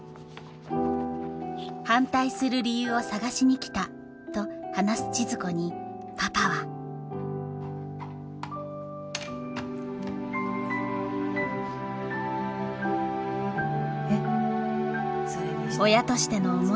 反対する理由を探しに来たと話す千鶴子にパパはえっ。